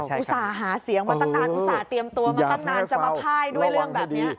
อุตส่าห์หาเสียงมาตั้งนานอุตส่าหเตรียมตัวมาตั้งนานจะมาพ่ายด้วยเรื่องแบบนี้